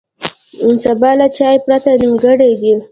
سبا له چای پرته نیمګړی دی.